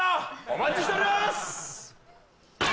お待ちしております